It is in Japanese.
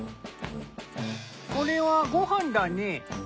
これはご飯だね？